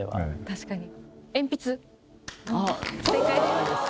確かに。